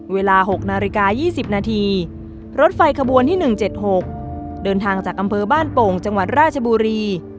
เวลา๖นาฬิกา๒๐นาทีรถไฟขบวนที่๑๗๖เดินทางจากอำเภอบ้านโป่งจังหวัดราชบุรี